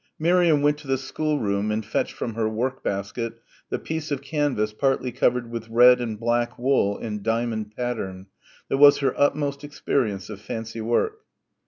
Miriam went to the schoolroom and fetched from her work basket the piece of canvas partly covered with red and black wool in diamond pattern that was her utmost experience of fancy work.